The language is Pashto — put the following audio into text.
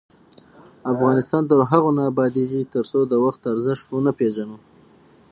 افغانستان تر هغو نه ابادیږي، ترڅو د وخت ارزښت ونه پیژنو.